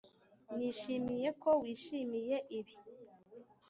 nishimiye ko wishimiye ibi.